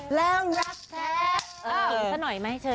เอ้าเอาแบบนี้เหรอ